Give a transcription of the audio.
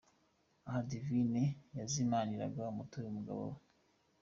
Aha Divine yazimaniraga umutobe umugabo we.